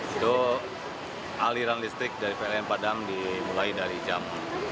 itu aliran listrik dari pln padam dimulai dari jam